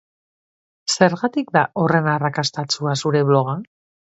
Zergatik da horren arrakastatsua zure bloga?